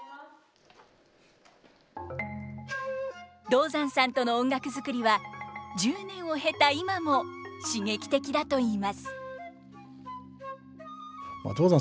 道山さんとの音楽作りは１０年を経た今も刺激的だといいます。